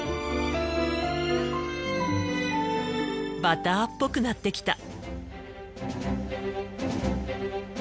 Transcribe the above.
バターっぽくなってきた。